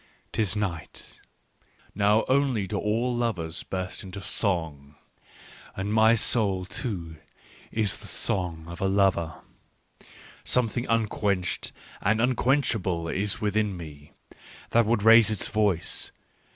" It is night : now only do all lovers burst into song. And my soul too is the song of a lover. " Something unquenched and unquenchable is within me, that would raise its voice.